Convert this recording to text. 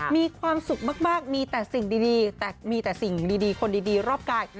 มีความสุขมากมีแต่สิ่งดีคนดีรอบกาย